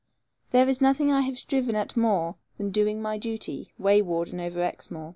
There is nothing I have striven at more than doing my duty, way warden over Exmoor.